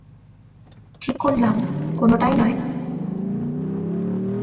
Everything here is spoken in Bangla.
ঠিক করলাম, কোনটাই নয়।